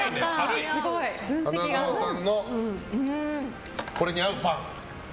花澤さんのこれに合うパン。